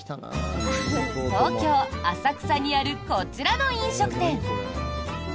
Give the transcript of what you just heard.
東京・浅草にあるこちらの飲食店。